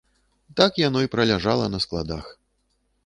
Так яно і праляжала на складах.